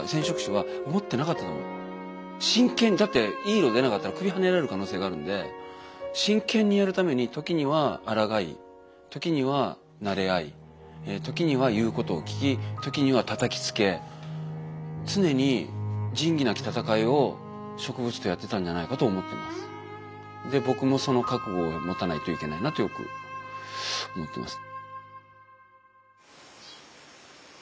真剣にだっていい色出なかったら首はねられる可能性があるんで真剣にやるために時にはあらがい時にはなれ合い時には言うことを聞き時にはたたきつけ常にで僕もその覚悟を持たないといけないなとよく思ってます。